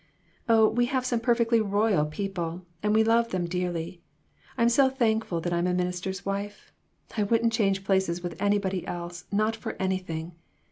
Oh, we have some perfectly royal people, and we love them dearly. I'm so thankful that I'm a minister's wife. I wouldn't change places with anybody else, not for anything.